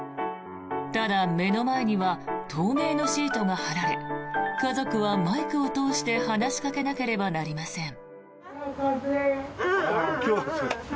ただ、目の前には透明のシートが張られ家族はマイクを通して話しかけなければなりません。